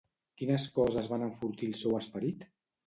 Quines coses van enfortir el seu esperit?